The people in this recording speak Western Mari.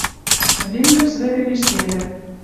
«Виллюс» вӹкӹ пиштевӹ...